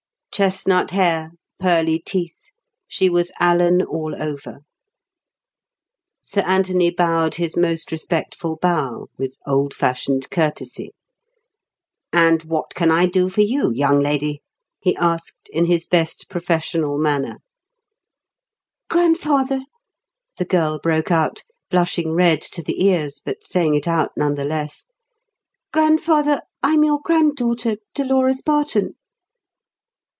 Chestnut hair, pearly teeth, she was Alan all over. Sir Anthony bowed his most respectful bow, with old fashioned courtesy. "And what can I do for you, young lady?" he asked in his best professional manner. "Grandfather," the girl broke out, blushing red to the ears, but saying it out none the less; "Grandfather, I'm your granddaughter, Dolores Barton."